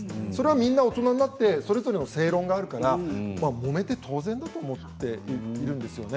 みんな大人になってそれぞれの正論があるからもめて当然だと思っているんですよね。